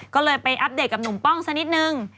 ก็เลยไปอัปเดตกับหนุ่มป้องสักนิดนึง